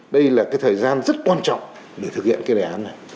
đây là thời gian rất quan trọng để thực hiện đề án này